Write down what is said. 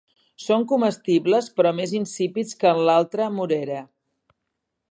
Són comestibles però més insípids que en l'altra morera.